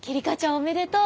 おめでとう。